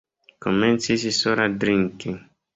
Komencis sola drinki.